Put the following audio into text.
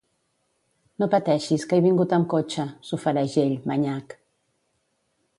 No pateixis que he vingut amb cotxe —s'ofereix ell, manyac.